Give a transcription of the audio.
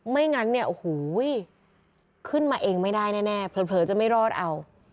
ไม่งั้นขึ้นมาไม่ได้ได้แน่เผลอจะไม่รอดเอ้า